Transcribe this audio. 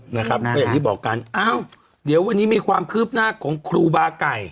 นะครับก็อย่างนี้บอกกันแล้ววันนี้มีความเคลือบนักของครูบาไก่